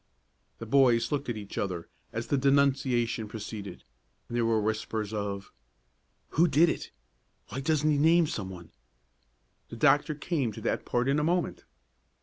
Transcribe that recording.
The boys looked at each other as the denunciation proceeded, and there were whispers of: "Who did it? Why doesn't he name some one?" The doctor came to that part in a moment.